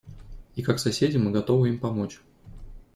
И как соседи мы готовы им помочь.